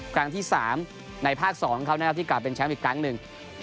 กลางที่๓ในภาค๒ครับนะครับที่กลับเป็นแชมป์อีกกลางหนึ่ง